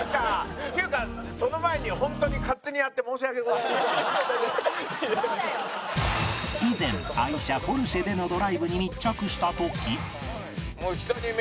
っていうかその前にホントに以前愛車ポルシェでのドライブに密着した時